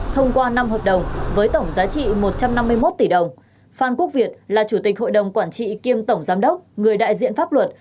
thông qua năm hợp đồng với tổng giá trị một trăm năm mươi một tỷ đồng phan quốc việt là chủ tịch hội đồng quản trị kiêm tổng giám đốc người đại diện pháp luật